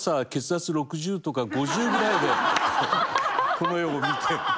この絵を見て。